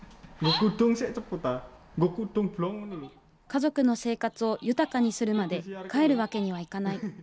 家族の生活を豊かにするまで帰るわけにはいかない。